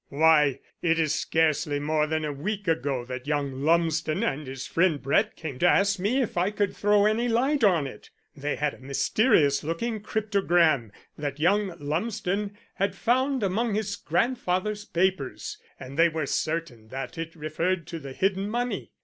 Why, it is scarcely more than a week ago that young Lumsden and his friend Brett came to ask me if I could throw any light on it. They had a mysterious looking cryptogram that young Lumsden had found among his grandfather's papers, and they were certain that it referred to the hidden money.